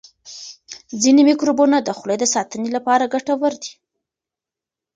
ځینې میکروبونه د خولې د ساتنې لپاره ګټور دي.